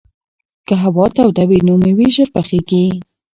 که هوا توده وي نو مېوې ډېرې ژر پخېږي.